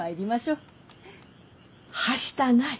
はしたない。